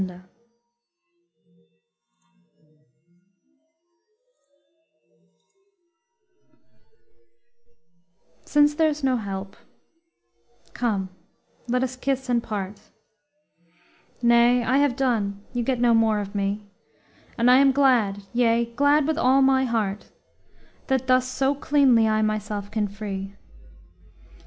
LXI Since there's no help, come, let us kiss and part, Nay, I have done, you get no more of me, And I am glad, yea, glad with all my heart, That thus so cleanly I myself can free.